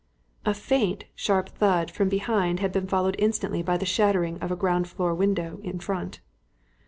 A faint, sharp thud from behind had been followed instantly by the shattering of a ground floor window in front.